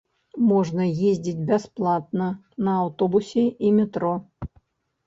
Можна ездзіць бясплатна на аўтобусе і метро.